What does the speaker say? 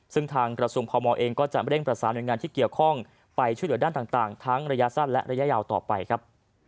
ซึ่งทางกระทรวงพมเองก็จะเร่งประสานหน่วยงานที่เกี่ยวข้องไปช่วยเหลือด้านต่างทั้งระยะสั้นและระยะยาวต่อไปครับ